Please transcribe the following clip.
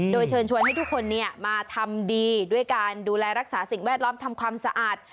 โดยเชิญชวนให้ทุกคนมาทำดีด้วยการดูแลรักษาสิ่งแวดล้อมทำความสะอาด